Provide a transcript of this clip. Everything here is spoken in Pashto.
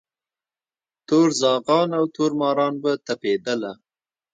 تور زاغان او تور ماران به تپېدله